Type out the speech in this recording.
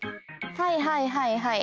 はいはいはいはい。